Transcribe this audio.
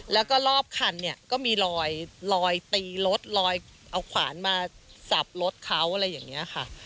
แล้วก็รอบคันเนี่ยก็มีรอยตีรถลอยเอาขวานมาสับรถเขาอะไรอย่างนี้ค่ะ